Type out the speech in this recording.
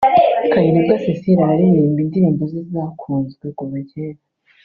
Kayirebwa Cecile araririmba indirimbo ze zakunzwe kuva kera